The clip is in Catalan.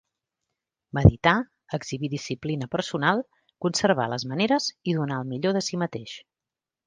Meditar, exhibir disciplina personal, conservar les maneres i donar el millor de si mateix.